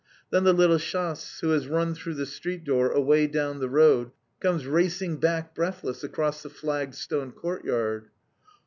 Then the little "chass," who has run through the street door away down the road, comes racing back breathless across the flagged stone courtyard.